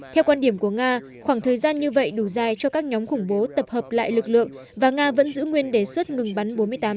theo quan điểm của nga khoảng thời gian như vậy đủ dài cho các nhóm khủng bố tập hợp lại lực lượng và nga vẫn giữ nguyên đề xuất ngừng bắn bốn mươi tám